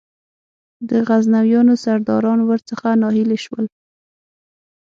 د غزنویانو سرداران ور څخه ناهیلي شول.